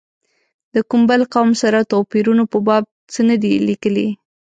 د کوم بل قوم سره توپیرونو په باب څه نه دي لیکلي.